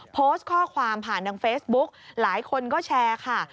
โพสต์ข้อความผ่านทางเฟซบุ๊กหลายคนก็แชร์ค่ะ